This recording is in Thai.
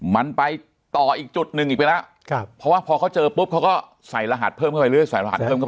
มันไปต่ออีกจุดหนึ่งอีกไปแล้วเพราะว่าพอเขาเจอปุ๊บเขาก็ใส่รหัสเพิ่มเข้าไปเรื่อยใส่รหัสเพิ่มขึ้น